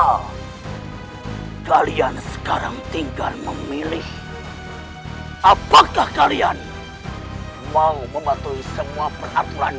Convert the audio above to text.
hai kalian sekarang tinggal memilih apakah kalian mau mematuhi semua peraturan